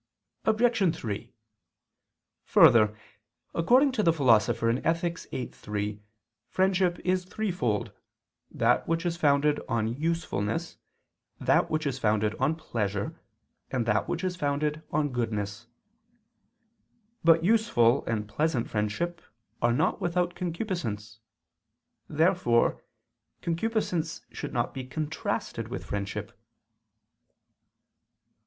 Obj. 3: Further, according to the Philosopher (Ethic. viii, 3) friendship is threefold, that which is founded on usefulness, that which is founded on pleasure, and that which is founded on goodness. But useful and pleasant friendship are not without concupiscence. Therefore concupiscence should not be contrasted with friendship.